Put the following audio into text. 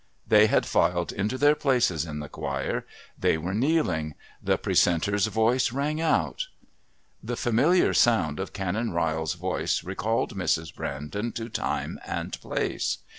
They had filed into their places in the choir, they were kneeling, the Precentor's voice rang out.... The familiar sound of Canon Ryle's voice recalled Mrs. Brandon to time and place.